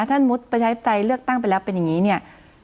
ถ้ามุติประชาธิปไตยเลือกตั้งไปแล้วเป็นอย่างนี้เนี่ย